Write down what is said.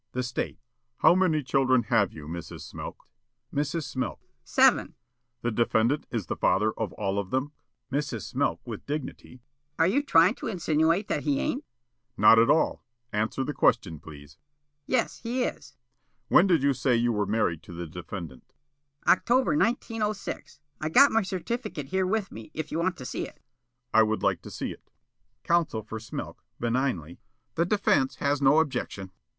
The State: "How many children have you, Mrs. Smilk?" Mrs. Smilk: "Seven." The State: "The defendant is the father of all of them?" Mrs. Smilk, with dignity: "Are you tryin' to insinuate that he ain't?" The State: "Not at all. Answer the question, please." Mrs. Smilk: "Yes, he is." The State: "When did you say you were married to the defendant?" Mrs. Smilk: "October, 1906. I got my certificate here with me, if you want to see it." The State: "I would like to see it." Counsel for Smilk, benignly: "The defense has no objection."